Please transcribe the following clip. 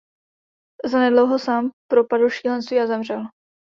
Zanedlouho sám propadl šílenství a zemřel.